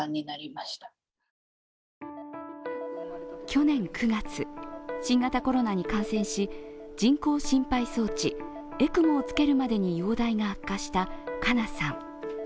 去年９月、新型コロナに感染し人工心肺装置＝ＥＣＭＯを付けるまでに容体が悪化したかなさん。